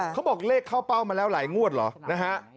เขาบอกเลขเข้าเป้ามาแล้วหลายงวดเหรอนะฮะ